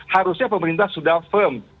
harusnya pemerintah sudah firm